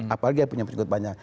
apalagi dia punya penjara banyak